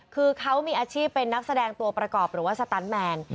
คือเขามีอาชีพเป็นนักแสดงตัวประกอบหรือว่าสตันแมน